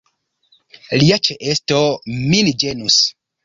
Lia ĉeesto min ĝenus.